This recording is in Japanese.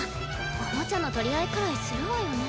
おもちゃの取り合いくらいするわよね。